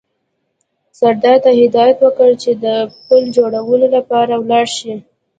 سردار ته هدایت وکړ چې د پل جوړولو لپاره ولاړ شي.